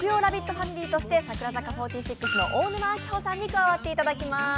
ファミリーとして櫻坂４６の大沼晶保さんに加わっていただきます。